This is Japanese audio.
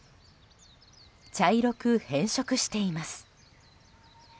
茶色く変色しています。